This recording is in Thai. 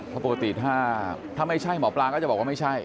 เพราะปกติถ้าไม่ใช่หมอปลาก็จะบอกว่าไม่ใช่